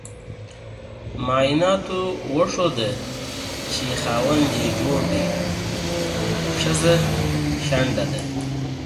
معایناتو وخوده چې خاوند یي جوړ دې خو خځه شنډه ده